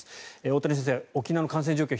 大谷先生、沖縄の感染状況